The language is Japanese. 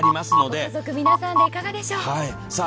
ご家族皆さんでいかがでしょうか。